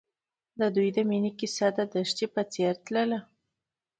د دوی د مینې کیسه د دښته په څېر تلله.